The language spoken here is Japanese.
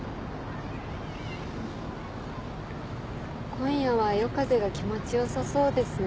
今夜は夜風が気持ちよさそうですね。